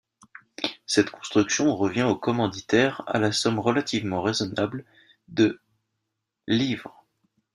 Cette construction revient au commanditaire à la somme relativement raisonnable de livres.